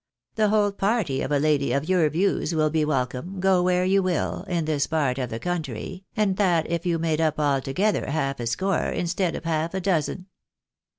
The whole party of a lady of your views will be welcome, go where you will, in this part of the country, and that if you made up altogether half a score, instead of half a dozen."